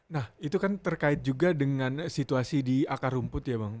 nah itu kan terkait juga dengan situasi di akar rumput ya bang